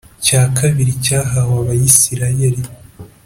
cya kabiri cyahawe Abisirayeli